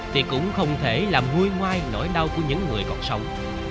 thì cũng không thể làm nguôi ngoai nỗi đau của những người còn sống